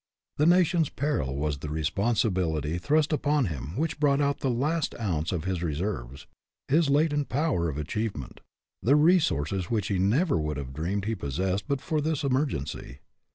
The nation's peril was the responsibility thrust up on him which brought out the last ounce of his reserves, his latent power of achievement, the resources which he never would have dreamed he possessed but for this emergency.